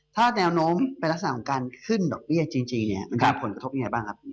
ถ้าแนวโน้มเป็นลักษณะของการขึ้นดอกเบี้ยจริงเนี่ยมันมีผลกระทบยังไงบ้างครับ